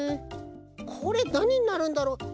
これなにになるんだろう？